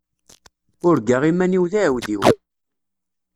Urgaɣ iman-iw d aεewdiw.